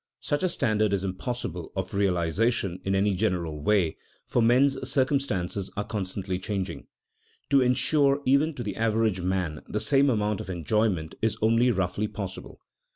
Such a standard is impossible of realization in any general way, for men's circumstances are constantly changing. To insure even to the average man the same amount of enjoyment is only roughly possible.